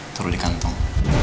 turun di kantong